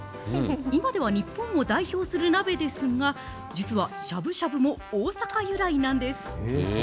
今では日本を代表する鍋ですが、実はしゃぶしゃぶも大阪由来なんです。